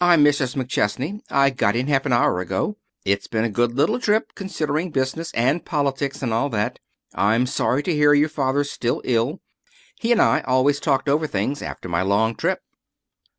"I'm Mrs. McChesney. I got in half an hour ago. It's been a good little trip, considering business, and politics, and all that. I'm sorry to hear your father's still ill. He and I always talked over things after my long trip."